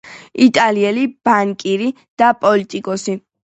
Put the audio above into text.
იტალიელი ბანკირი და პოლიტიკოსი.